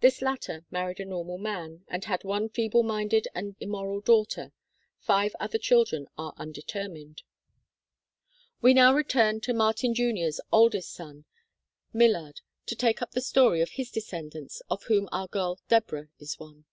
This latter married a normal man and had one feeble minded and immoral daughter; five other children are undetermined. We now return to Martin Jr.'s oldest son, Millard THE DATA 23 (Chart IX), to take up the story of his descendants, of whom our girl Deborah is one.